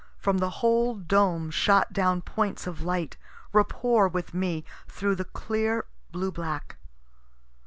From the whole dome shot down points of light, rapport with me, through the clear blue black.